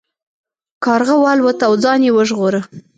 کارغه والوت او ځان یې وژغوره.